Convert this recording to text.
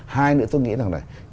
hai nữa tôi nghĩ là